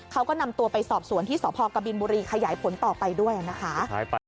เขาก็นำตัวไปสอบสวนที่สพกบินบุรีขยายผลต่อไปด้วยนะคะ